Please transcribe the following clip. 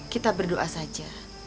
kita berdoa saja